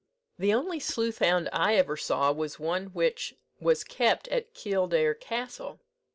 "The only sleuth hound I ever saw was one which was kept at Keeldar Castle.